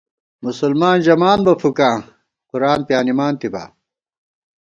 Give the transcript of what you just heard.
مسلمان ژَمان بہ فُکاں ، قرآن پیانِمانتِبا